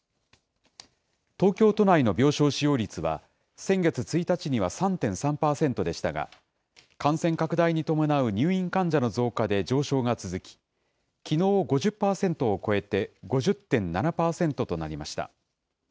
東京都内の病床使用率は、先月１日には３．３％でしたが、感染拡大に伴う入院患者の増加で上昇が続き、きのう５０％を超えて、５０．７％となりました。